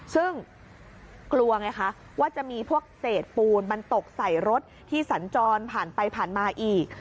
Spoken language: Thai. ซึ่งกลัวไงคะว่าจะมีพวกเศษปูนมันตกใส่รถที่สัญจรผ่านไปผ่านมาอีก